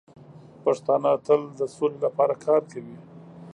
پښتانه تل د سولې لپاره کار کوي.